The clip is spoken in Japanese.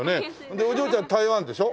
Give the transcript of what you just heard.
でお嬢ちゃん台湾でしょ？